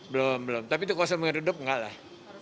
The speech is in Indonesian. belum belum tapi itu kosong menghidup enggak lah